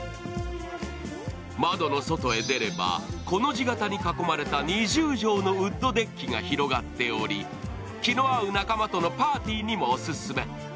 窓の外へ出れば、コの字型に囲まれた２０畳のウッドデッキが広がっており、気の合う仲間とのパーティーにもオススメ。